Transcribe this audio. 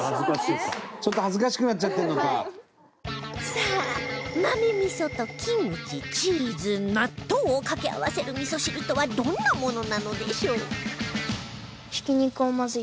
さあ豆味噌とキムチチーズ納豆を掛け合わせる味噌汁とはどんなものなのでしょう？